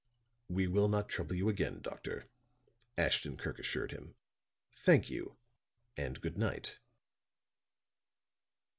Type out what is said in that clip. "We will not trouble you again, doctor," Ashton Kirk assured him. "Thank you, and good night."